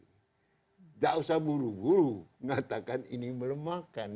tidak usah buru buru mengatakan ini melemahkan